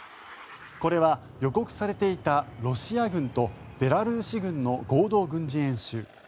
これは、予告されていたロシア軍とベラルーシ軍の合同軍事演習。